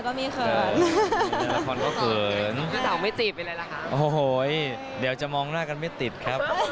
ก็มีเขินละครก็เขินก็จะเอาไม่จีบไปเลยล่ะค่ะโอ้โหเดี๋ยวจะมองหน้ากันไม่ติดครับ